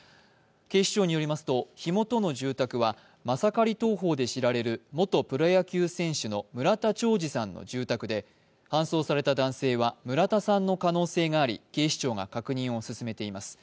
警視庁によりますと火元の住宅はマサカリ投法で知られる元プロ野球投手の村田兆治さんの住宅で搬送された男性は村田さんの可能性があり警視庁が確認を進めています。